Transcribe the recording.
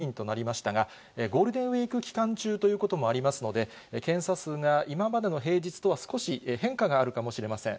きのうは３０００人を割り込みまして、２９９２人となりましたが、ゴールデンウィーク期間中ということもありますので、検査数が今までの平日とは少し変化があるかもしれません。